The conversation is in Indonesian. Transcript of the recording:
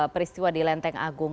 peristiwa di lenteng agung